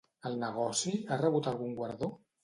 El negoci ha rebut algun guardó?